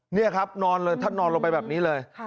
เนี่ยครับท่านนอนลงไปแบบนี้เลย